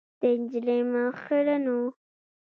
د نجلۍ مخ خیرن و .